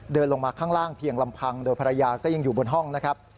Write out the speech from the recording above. เดินลงมาข้างล่างเพียงลำพังโดยภรรยาก็ยังอยู่บนห้องนะครับ